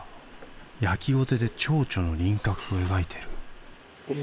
焼きごてでチョウチョの輪郭を描いてる。